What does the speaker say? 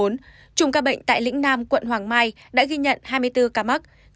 bốn trùm ca bệnh tại lĩnh nam quận hoàng mai đã ghi nhận hai mươi bốn ca mắc